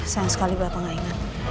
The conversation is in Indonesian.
sayang sekali bapak ga inget